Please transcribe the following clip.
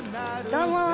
どうもー。